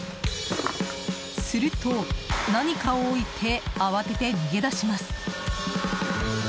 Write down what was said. すると、何かを置いて慌てて逃げ出します。